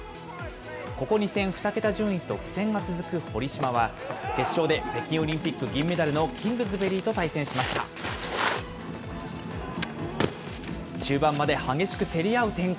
ここ２戦、２桁順位と苦戦が続く堀島は、決勝で北京オリンピック銀メダルのキングズベリーと中盤まで激しく競り合う展開。